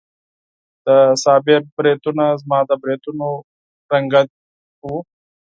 د صابر بریتونه زما د بریتونو په څېر وو.